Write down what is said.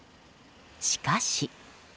しかし。